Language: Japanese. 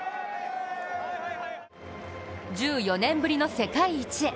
１４年ぶりの世界一へ。